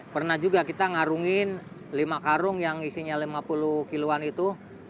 pernah juga kita ngarungin lima karung yang isinya lima puluh kiloan itu